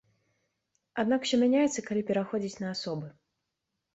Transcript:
Аднак усё мяняецца, калі пераходзіць на асобы.